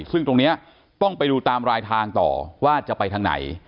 ซึ่งตรงนี้ต้องไปดูตามรายทางต่อว่าจะไปทางไหน